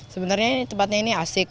sebenarnya tempatnya ini asik